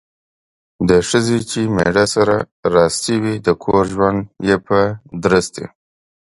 د ښځې چې میړه سره راستي وي ،د کور ژوند یې په درستي